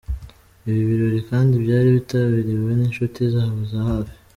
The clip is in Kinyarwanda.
Ibi birori kandi byari byitabiriwe n’ inshuti zabo za hafi .